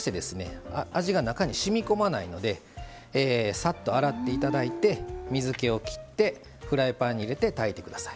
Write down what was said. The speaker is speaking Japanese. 味が中にしみこまないのでさっと洗っていただいて水けを切ってフライパンに入れて炊いてください。